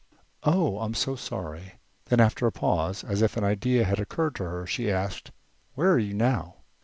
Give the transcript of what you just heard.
"Oh! I'm so sorry." Then after a pause, as if an idea had occurred to her, she asked: "Where are you now?"